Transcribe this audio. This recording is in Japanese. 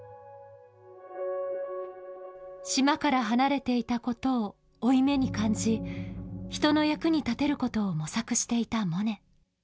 島から離れていたことを負い目に感じ人の役に立てることを模索していたモネ。